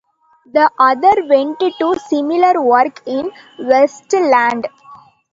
The other went to similar work in Westland.